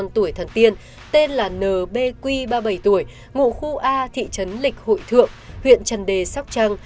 tuổi thần tiên tên là nbqi ba mươi bảy tuổi ngụ khu a thị trấn lịch hội thượng huyện trần đề sóc trăng